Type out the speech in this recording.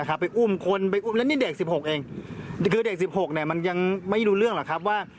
คือเด็ก๑๖มันยังไม่รู้เรื่องหรอกครับว่า